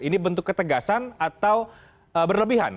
ini bentuk ketegasan atau berlebihan